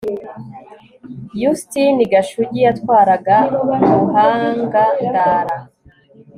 Yustini Gashugi yatwaraga BuhangaNdara